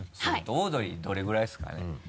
オードリーどれぐらいですかね？